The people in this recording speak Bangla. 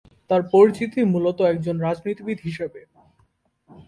তার পরিচিতি মূলত একজন রাজনীতিবিদ হিসেবে।